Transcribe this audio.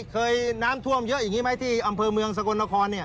เคยน้ำท่วมเยอะอย่างนี้ไหมที่อำเภอเมืองสกลนคร